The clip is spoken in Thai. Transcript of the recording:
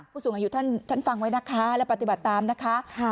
ผู้สูงอายุท่านฟังไว้นะคะและปฏิบัติตามนะคะ